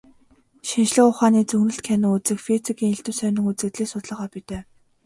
Шинжлэх ухааны зөгнөлт кино үзэх, физикийн элдэв сонин үзэгдлийг судлах хоббитой.